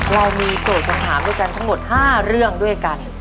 เรามีโจทย์คำถามด้วยกันทั้งหมด๕เรื่องด้วยกัน